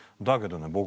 だけどね